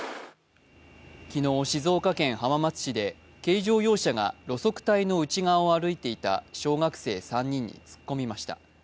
昨日、静岡県浜松市で軽乗用車が路側帯の内側を歩いていた小学生３人に突っ込みました。